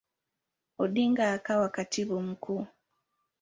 Odinga akawa Katibu Mkuu.